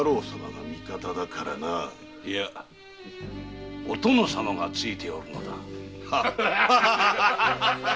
いやお殿様がついておるのだ